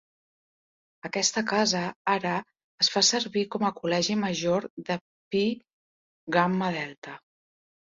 Aquesta casa ara es fa servir com a col·legi major de Phi Gamma Delta.